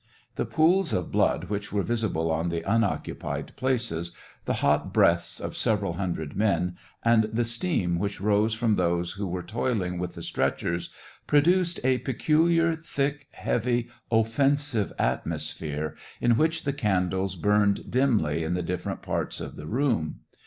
The pools of blood which were visible on the unoccupied places, the hot breaths of several hundred men, and the steam which rose from those who were toil ing with the stretchers produced a peculiar, thick, heavy, offensive atmosphere, in which the candles burned dimly in the different parts of the room.